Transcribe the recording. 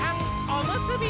おむすび！